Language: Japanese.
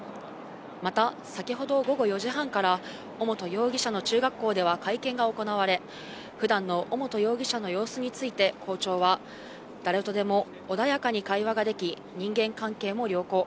また、先ほど午後４時半から、尾本容疑者の中学校では会見が行われ、ふだんの尾本容疑者の様子について校長は、誰とでも穏やかに会話ができ、人間関係も良好。